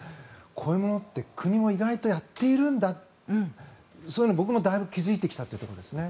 こういうものって意外と国もやっているんだとそういうのを僕もだいぶ気付いてきたところですね。